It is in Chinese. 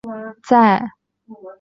在九十九学年度下学期启用。